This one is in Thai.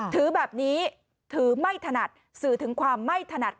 ถือแบบนี้ถือไม่ถนัดสื่อถึงความไม่ถนัด